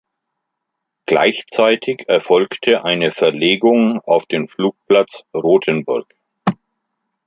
Gleichzeitig erfolgte eine Verlegung auf den Flugplatz Rothenburg.